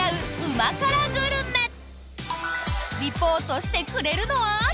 リポートしてくれるのは？